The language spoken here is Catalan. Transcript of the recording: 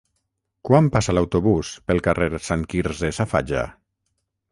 Quan passa l'autobús pel carrer Sant Quirze Safaja?